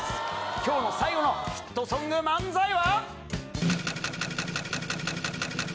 きょうの最後のヒットソング漫才は。